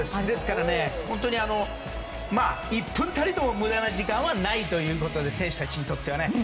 ですから、１分たりとも無駄な時間はないということで選手たちにとってはね。